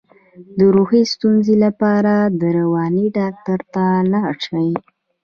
د روحي ستونزو لپاره د رواني ډاکټر ته لاړ شئ